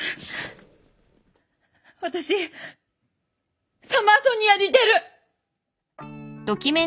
私サマーソニアに出る！